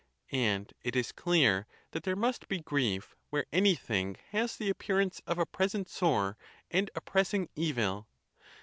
And it is clear that there must be grief where anything has the ap pearance of a present sore and oppressing evil.